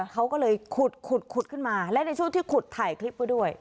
เขาก็เลยขุดขุดขึ้นมาและในช่วงที่ขุดถ่ายคลิปไว้ด้วย